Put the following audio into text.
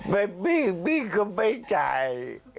ไม่พี่ก็ไม่จ่าย